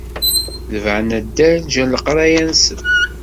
Tebɛen addal, ǧǧan leqraya-nsen.